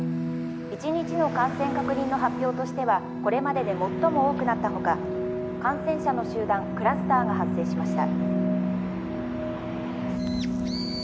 「１日の感染確認の発表としてはこれまでで最も多くなったほか感染者の集団クラスターが発生しました」。